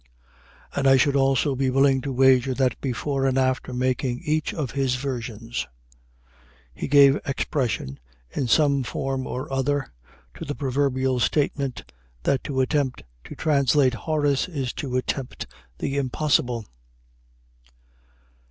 And I should also be willing to wager that before and after making each of his versions, he gave expression, in some form or other, to the proverbial statement that to attempt to translate Horace is to attempt the impossible.